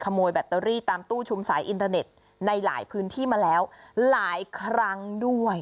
แบตเตอรี่ตามตู้ชุมสายอินเทอร์เน็ตในหลายพื้นที่มาแล้วหลายครั้งด้วย